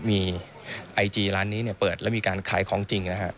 มีไอจีร้านนี้เปิดแล้วมีการขายของจริงนะฮะ